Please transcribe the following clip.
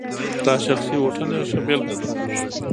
دا شخصي هوټل یې ښه بېلګه ده.